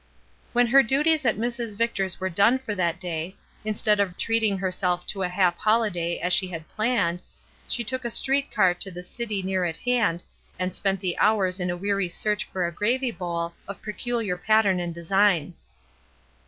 When her duties at Mrs. Victor's were done for that day, instead of treating herself to a half holiday as she had planned, she took a street car to the city near at hand and spent the hours in a weary search for a gravy bowl of peculiar pattern and design.